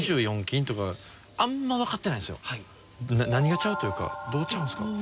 何が違うというかどう違うんですか？